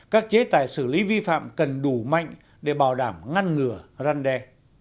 các chế tài xử lý vi phạm cần đủ mạnh để bảo đảm ngăn ngừa răn đe